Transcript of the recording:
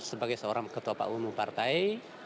sebagai seorang ketua pak uno partai